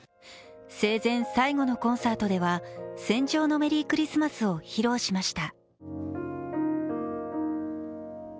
生前最後のコンサートでは、「戦場のメリークリスマス」を披露しました。